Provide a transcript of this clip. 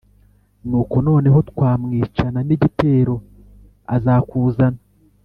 nuko noneho twamwicana nigitero azakuzana"